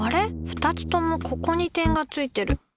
２つともここに点がついてる。